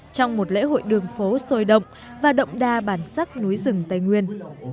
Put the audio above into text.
trong một lễ hội đường phố sôi động và động đa bản sắc núi rừng tây nguyên